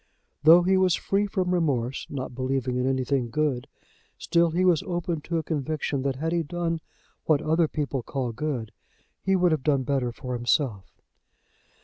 Though he was free from remorse, not believing in anything good, still he was open to a conviction that had he done what other people call good, he would have done better for himself.